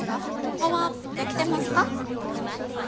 パワーアップできてますか？